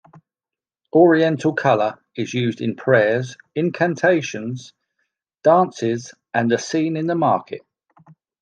Oriental colour is used in prayers, incantations, dances and the scene in the market.